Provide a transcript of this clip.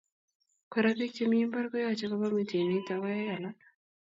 Kora bik che mi mbar koyaje koba mjinit ak koyai alak